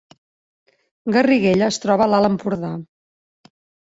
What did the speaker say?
Garriguella es troba a l’Alt Empordà